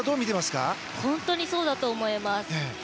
本当にそうだと思います。